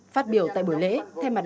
phát biểu tại buổi lễ